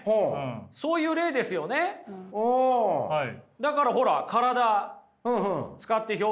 だからほら体使って表現。